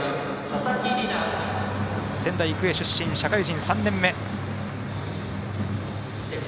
佐々木、仙台育英出身社会人３年目。